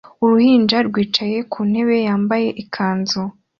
Uruhinja rwicaye ku ntebe yambaye ikanzu